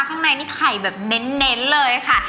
ข้างในนี่ไข่แบบเน้นเลยค่ะ